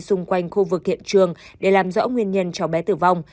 xung quanh khu vực hiện trường để làm rõ nguyên nhân cháu bé tử vong